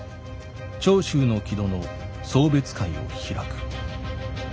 長州の木戸の送別会を開く」。